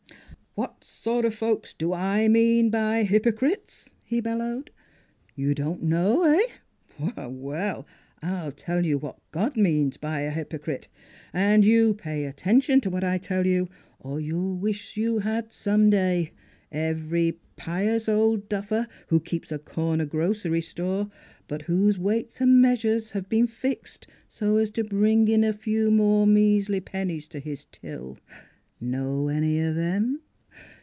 ' What sort of folks do I mean by hypocrites?" he bellowed. "You don't know eh? Well, I'll tell you what God means by a hypocrite NEIGHBORS 229 And you pay attention to what I tell you, or you'll wish you had some day: every pious old duffer who keeps a corner grocery, but whose weights and measures have been fixed so's to bring in a few more measly pennies to his till ... know any of 'em?